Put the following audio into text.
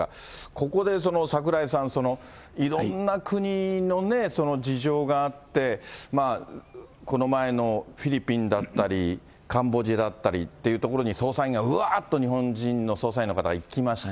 ここで櫻井さん、いろんな国のね、事情があって、この前のフィリピンだったり、カンボジアだったりという所に、捜査員がうわーっと、日本人の捜査員の方が行きました。